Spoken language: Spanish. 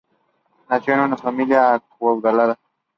Nació en una familia acaudalada.